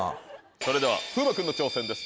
それでは風磨君の挑戦です。